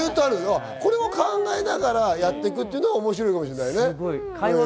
これを考えながらやっていくのが面白いのかもしれないね。